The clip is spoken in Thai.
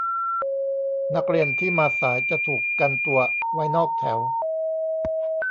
นักเรียนที่มาสายจะถูกกันตัวไว้นอกแถว